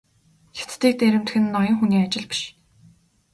Хятадыг дээрэмдэх нь ноён хүний ажил биш.